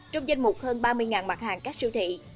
trong danh mục hơn ba mươi mặt hàng các siêu thị